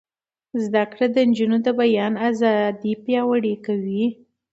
زده کړه د نجونو د بیان ازادي پیاوړې کوي.